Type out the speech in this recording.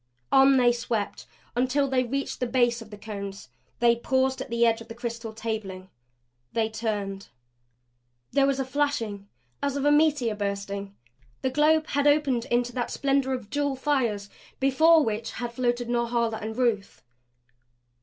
On they swept until they reached the base of the Cones. They paused at the edge of the crystal tabling. They turned. There was a flashing as of a meteor bursting. The globe had opened into that splendor of jewel fires before which had floated Norhala and Ruth.